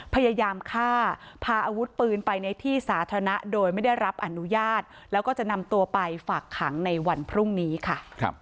พยายามฆ่าพาอาวุธปืนไปในที่สาธารณะโดยไม่ได้รับอนุญาตแล้วก็จะนำตัวไปฝากขังในวันพรุ่งนี้ค่ะ